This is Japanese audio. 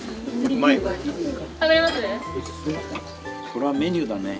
これはメニューだね。